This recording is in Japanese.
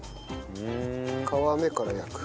皮目から焼く。